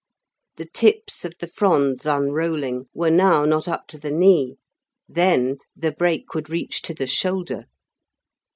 The tips of the fronds unrolling were now not up to the knee; then the brake would reach to the shoulder.